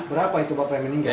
berapa itu bapak yang meninggal